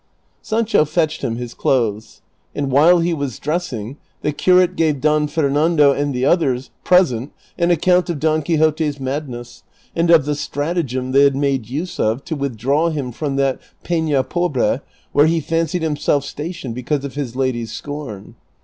Sancho fetched him his clothes ; and while he was dressing, the curate gave Don Fernando and the others present an account of Don Quixote's madness and of the stratagem they had made use of to withdraAv him from that Pefia Pobre where he fancied himself stationed because of his lady's scorn.